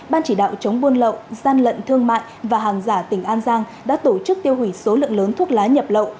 ban chỉ đạo chống buôn lậu gian lận thương mại và hàng giả tỉnh an giang đã tổ chức tiêu hủy số lượng lớn thuốc lá nhập lậu